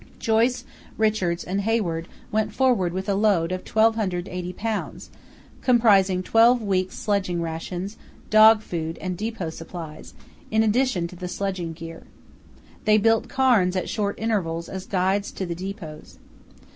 Joyce, Richards, and Hayward went forward with a load of 1280 lbs., comprising twelve weeks' sledging rations, dog food and depot supplies, in addition to the sledging gear. They built cairns at short intervals as guides to the depots.